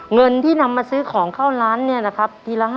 เงินที่นำมาซื้อของเข้าร้านนะครับ